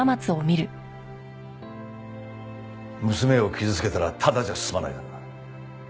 娘を傷つけたらタダじゃ済まないからな。